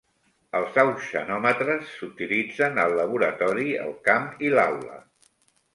Els auxanòmetres s'utilitzen al laboratori, el camp i l'aula.